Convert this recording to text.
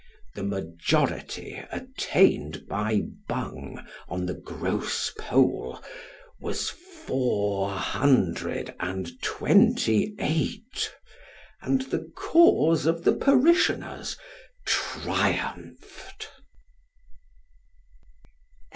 The majority attained by Bung on the gross poll was four hundred and twenty eight, and the cause of the parishioners triumphed.